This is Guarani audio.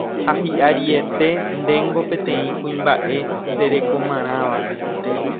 ha hi'ariete ndéngo peteĩ kuimba'e nderekomarãva